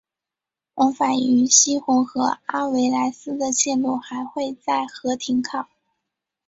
往返于希洪和阿维莱斯的线路还会在和停靠。